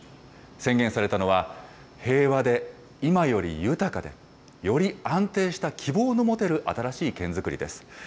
宣言されたのは、平和で、いまより豊かで、より安定した希望のもてる新しい県づくりです。